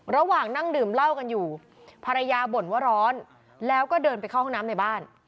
ระหว่างนั่งดื่มเหล้ากันอยู่ภรรยาบ่นว่าร้อนแล้วก็เดินไปเข้าห้องน้ำในบ้าน